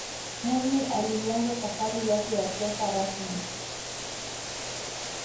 mwinyi aliianza safari yake ya siasa rasmi